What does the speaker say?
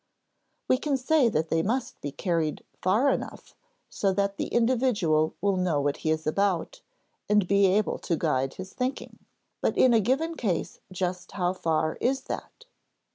We can say that they must be carried far enough so that the individual will know what he is about and be able to guide his thinking; but in a given case just how far is that?